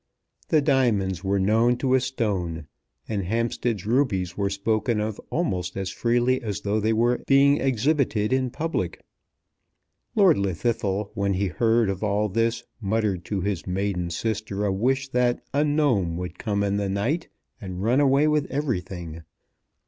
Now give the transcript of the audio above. The diamonds were known to a stone, and Hampstead's rubies were spoken of almost as freely as though they were being exhibited in public. Lord Llwddythlw when he heard of all this muttered to his maiden sister a wish that a gnome would come in the night and run away with everything.